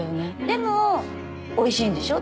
でもおいしいんでしょ？